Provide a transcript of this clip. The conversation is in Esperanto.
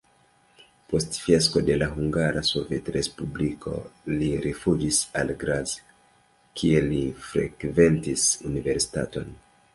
Post fiasko de la Hungara Sovetrespubliko li rifuĝis al Graz, kie li frekventis universitaton.